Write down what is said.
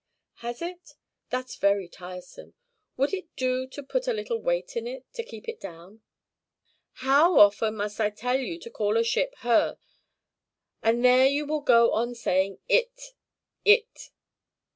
"Has it? that's very tiresome! Would it do to put a little weight in it, to keep it down?" "How often must I tell you to call a ship 'her;' and there you will go on saying it it!"